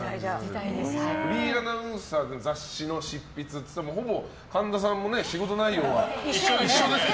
フリーアナウンサーで雑誌の執筆って言ったらほぼ神田さんも仕事内容は一緒ですね。